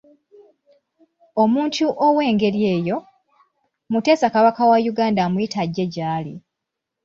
Omuntu ow'engeri eyo, Mutesa Kabaka wa Uganda amuyita ajje gy'ali.